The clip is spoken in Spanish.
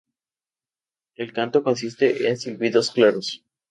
El canto consiste de silbidos claros.